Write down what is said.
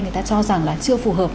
người ta cho rằng là chưa phù hợp